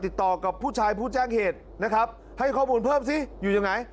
ติดต่อกับผู้ชายผู้แจ้งเหตุนะครับให้ข้อมูลเพิ่มซิอยู่ตรงไหน